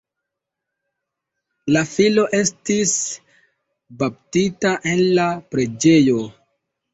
La filo estis baptita en la preĝejo.